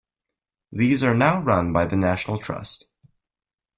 These are now run by the National Trust.